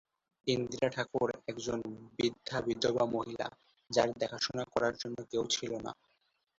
ইন্দিরা ঠাকুর, একজন বৃদ্ধা বিধবা মহিলা, যার দেখাশোনা করার জন্য কেউ ছিল না।